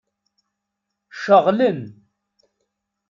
Ceɣlen.